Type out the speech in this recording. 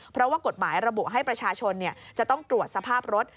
เพราะว่ากฎหมายระบุให้ประชาชนจะต้องตรวจสภาพรถ